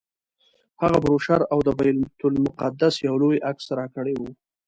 هغه بروشر او د بیت المقدس یو لوی عکس راکړی و.